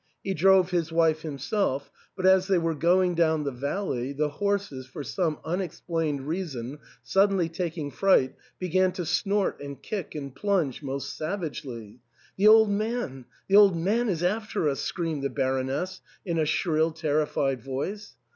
He drove his wife himself ; but as they were going down the valley the horses, for some unexplained reason, sud denly taking fright, began to snort and kick and plunge most savagely. ' The old man ! The old man is after us !* screamed the Baroness in a shrill, terrified voice.